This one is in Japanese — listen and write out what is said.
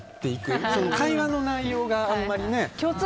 会話の内容があんまりね。